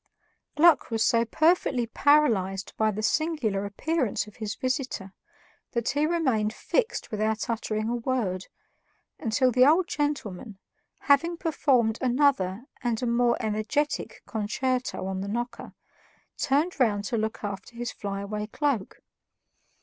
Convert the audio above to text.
Gluck was so perfectly paralyzed by the singular appearance of his visitor that he remained fixed without uttering a word, until the old gentleman, having performed another and a more energetic concerto on the knocker, turned round to look after his flyaway cloak.